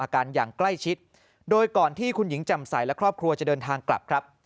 อย่างใกล้ชิดโดยก่อนที่คุณหญิงแจ่มใสและครอบครัวจะเดินทางกลับครับ